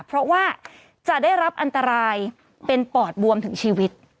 เพราะว่าจะได้รับอันตรายเป็นปอดบวมถึงชีวิต